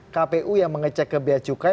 kpu yang mengecek kebiacukai